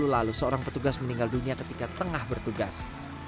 dua ribu dua puluh lalu seorang petugas meninggal dunia ketika tengah bertugas